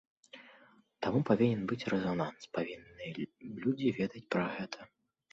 Таму павінен быць рэзананс, павінны людзі ведаць пра гэта.